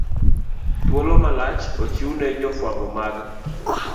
Thuolo malach ochiw ne jofwambo mag